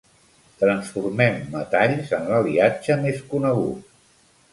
Transformem metalls en l'aliatge més conegut.